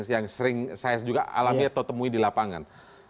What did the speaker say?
yang sering saya juga alami atau temui di lapangan